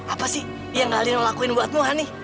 apa sih yang gak lino lakuin buatmu hani